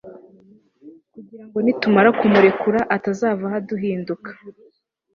kugira ngo nitumara kumurekura atazavaho aduhinduka